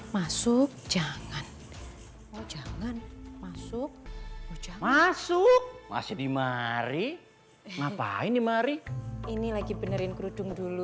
masuk jangan oh jangan masuk hujan masuk masih dimari ngapain dimari ini lagi benerin kerudung dulu